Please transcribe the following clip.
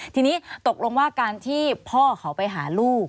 ทีนี้ตกลงว่าการที่พ่อเขาไปหาลูก